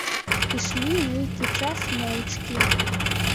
Ішлі нейкі час моўчкі.